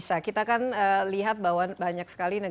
terima kasih mbak ani